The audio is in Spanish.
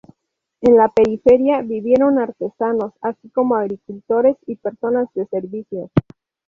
En la periferia vivieron artesanos, así como agricultores, y personas de servicios.